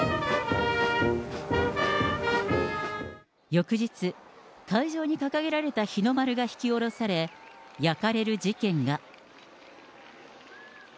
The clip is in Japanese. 翌日、会場に掲げられた日の丸が引き下ろされ、焼かれる事件が。